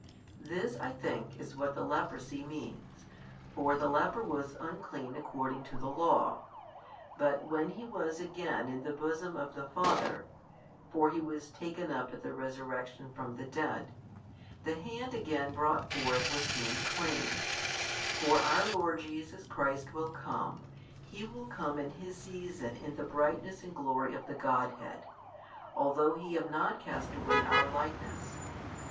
This I think is what the leprosy means, for the leper was unclean according to the Law. But when He was again in the Bosom of the Father (for He was taken up at the Resurrection from the dead), the Hand again brought forth was seen clean; for our Lord Jesus Christ will come, He will come in His season in the brightness and glory of the Godhead, although He have not cast away our likeness.